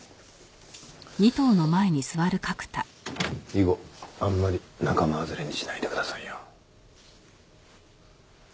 以後あんまり仲間外れにしないでくださいよ。